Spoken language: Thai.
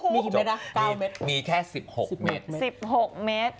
มีหิองไหมล่ะ๙เม็ดมีแค่๑๖เม็ด๑๖เม็ด